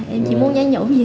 em chỉ muốn nhắn nhũm gì thôi